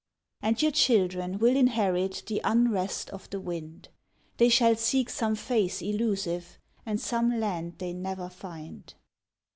And your children will inherit The unrest of the wind, They shall seek some face elusive. And some land they never find.